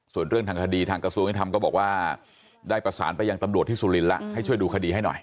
ส่วนเรื่องทางคดีทางกระทรวงยุทธรรมก็บอกว่าได้ประสานไปยังตำรวจที่สุรินทร์แล้วให้ช่วยดูคดีให้หน่อย